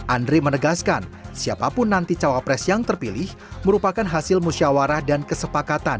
andre menegaskan siapapun nanti cawapres yang terpilih merupakan hasil musyawarah dan kesepakatan